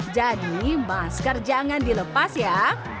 jadi masker jangan dilepas ya